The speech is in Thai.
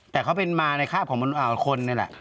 แต่เขาเป็นมาในคาบของคนนี่แหละ